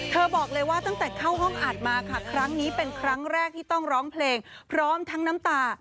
บอกเลยว่าตั้งแต่เข้าห้องอัดมาค่ะครั้งนี้เป็นครั้งแรกที่ต้องร้องเพลงพร้อมทั้งน้ำตา